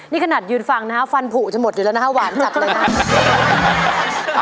นี่ขนาดยืนฟังนะฮะฟันผูจะหมดอยู่แล้วนะฮะหวานจัดเลยครับ